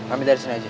ambil dari sini aja